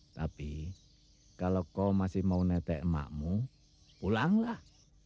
tapi kalau kau masih mau netek emakmu pulanglah